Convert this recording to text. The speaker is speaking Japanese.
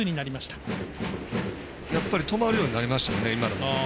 止まるようになりましたよね。